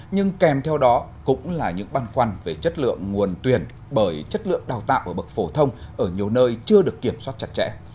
nhưng kèm theo đó cũng là những băn khoăn về chất lượng nguồn tuyển bởi chất lượng đào tạo ở bậc phổ thông ở nhiều nơi chưa được kiểm soát chặt chẽ